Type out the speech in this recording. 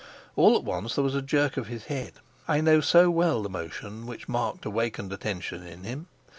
All at once there was a jerk of his head; I know so well the motion which marked awakened attention in him.